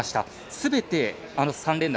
すべて３連打